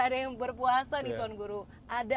ada yang berpuasa nih tuan guru ada